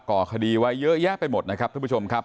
ก่อคดีไว้เยอะแยะไปหมดนะครับท่านผู้ชมครับ